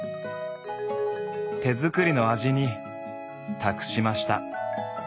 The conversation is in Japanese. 手作りの味に託しました。